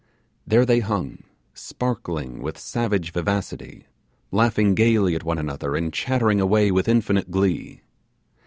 There they hung, sparkling with savage vivacity, laughing gaily at one another, and chattering away with infinite glee.